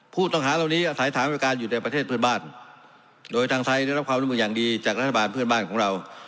ผู้ต้องหาเหล่านี้อาศัยฐานบริการอยู่ในประเทศเพื่อนบ้านโดยทางไทยได้รับความร่วมมืออย่างดีจากรัฐบาลเพื่อนบ้านของเรา